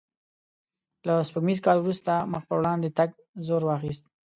له سپوږمیز کال وروسته مخ په وړاندې تګ زور واخیست.